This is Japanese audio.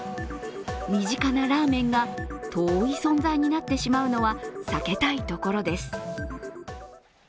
身近なラーメンが遠い存在になってしまうのは避けたいところです。